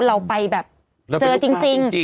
เราไปแบบเจอจริง